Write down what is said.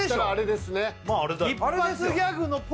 あれですよね